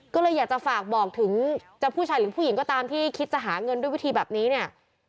ก็เลยอยากจะฝากบอกถึงจะผู้ชายหรือผู้หญิงก็ตามที่คิดจะหาเงินด้วยวิธีแบบนี้เนี่ย